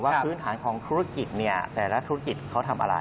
พื้นฐานของธุรกิจเนี่ยแต่ละธุรกิจเขาทำอะไร